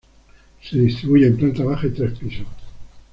Se distribuye en planta baja y tres pisos.